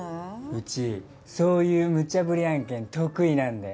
うちそういうむちゃぶり案件得意なんで。